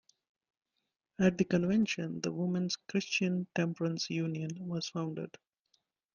At the convention, the Woman's Christian Temperance Union was founded.